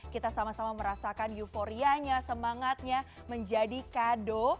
kita sama sama merasakan euforianya semangatnya menjadi kado